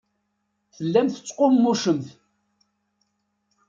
Tellamt tettqummucemt.